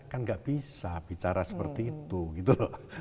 kan gak bisa bicara seperti itu